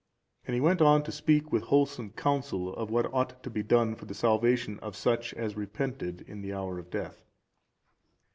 And he went on to speak with wholesome counsel of what ought to be done for the salvation of such as repented in the hour of death.